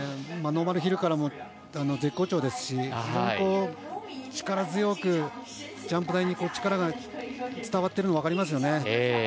ノーマルヒルから絶好調ですし非常に力強くジャンプ台に力が伝わっているのが分かりますよね。